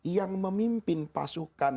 yang memimpin pasukan